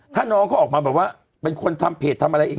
ถ้าน้องเขาออกมาแบบว่าเป็นคนทำเพจทำอะไรเอง